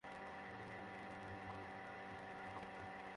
এটি যারা সেবন করে, তাদের কেন্দ্রীয় স্নায়ুতন্ত্রের ওপর মারাত্মক প্রভাব পড়ে।